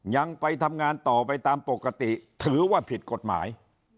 ยังไปทำงานต่อไปตามปกติถือว่าผิดกฎหมาย